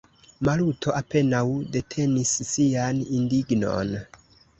Maluto apenaŭ detenis sian indignon.